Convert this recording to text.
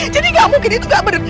jadi gak mungkin itu gak bener